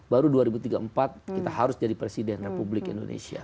baru dua ribu tiga puluh empat kita harus jadi presiden republik indonesia